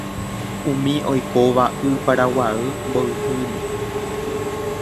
Umi oikóva Y Paraguay mboypýri